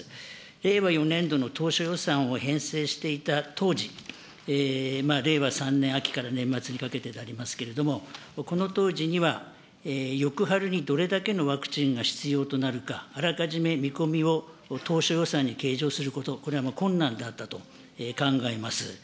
令和４年度の当初予算を編成していた当時、令和３年秋から年末にかけてでありますけれども、この当時には、翌春にどれだけのワクチンが必要となるか、あらかじめ見込みを当初予算に計上すること、これは困難だったと考えます。